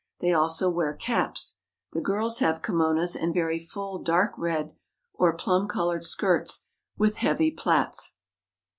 They also wear caps. The girls have kimonos and very full dark red or plum colored skirts with heavy plaits.